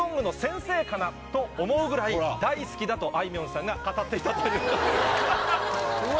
かなと思うぐらい大好きだとあいみょんさんが語っていたという。